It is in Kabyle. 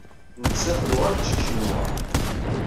Nettat tuɣal-d seg Ccinwa.